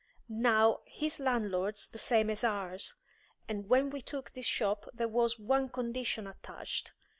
Now, his landlord's the same as ours, and when we took this shop there was one condition attached.